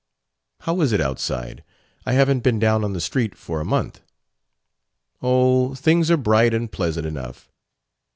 "How is it outside? I haven't been down on the street for a month." "Oh, things are bright and pleasant enough."